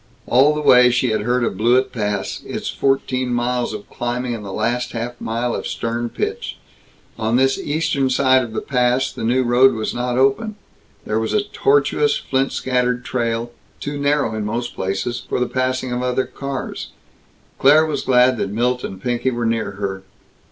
All the way she had heard of Blewett Pass; its fourteen miles of climbing, and the last half mile of stern pitch. On this eastern side of the pass, the new road was not open; there was a tortuous, flint scattered trail, too narrow, in most places, for the passing of other cars. Claire was glad that Milt and Pinky were near her.